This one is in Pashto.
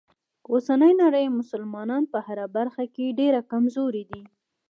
اوسنۍ نړۍ مسلمانان په هره برخه کې ډیره کمزوری دي.